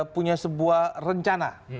punya sebuah rencana